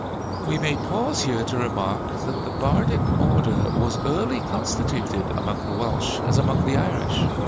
We may pause here to remark that the bardic order was early constituted among the Welsh, as among the Irish.